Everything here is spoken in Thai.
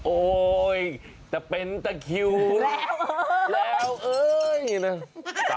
โอ๊ยแต่เป็นตะคิวแล้วเอ่ย